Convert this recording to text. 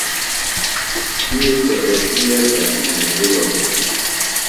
تی سوۡ ایتوے گھشیۡ مھیرِلوۡ ہِنوۡ